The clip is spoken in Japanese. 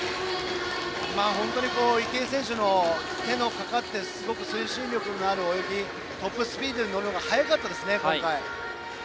本当に池江選手の手のかかって、すごく推進力のある泳ぎトップスピードに乗るのが速かったですね。